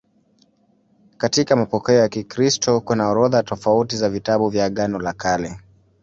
Katika mapokeo ya Kikristo kuna orodha tofauti za vitabu vya Agano la Kale.